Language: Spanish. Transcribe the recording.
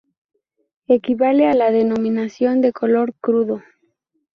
Equivale a la denominación de color crudo.